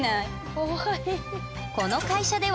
かわいい。